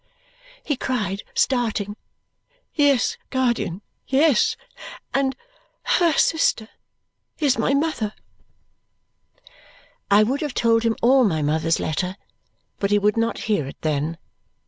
he cried, starting. "Yes, guardian, yes! And HER sister is my mother!" I would have told him all my mother's letter, but he would not hear it then.